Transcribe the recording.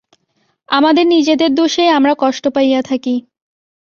আমাদের নিজেদের দোষেই আমরা কষ্ট পাইয়া থাকি।